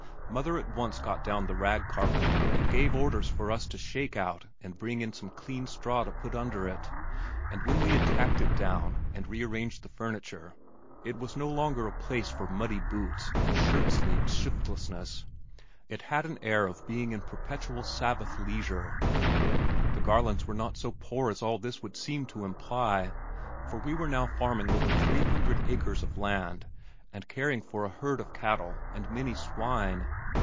Mother at once got down the rag carpet and gave orders for us to shake out and bring in some clean straw to put under it, and when we had tacked it down and re arranged the furniture, it was no longer a place for muddy boots and shirt sleeved shiftlessness, it had an air of being in perpetual Sabbath leisure. The Garlands were not so poor as all this would seem to imply, for we were now farming over three hundred acres of land and caring for a herd of cattle and many swine.